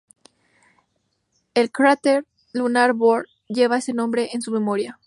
El cráter lunar Bohr lleva este nombre en su memoria.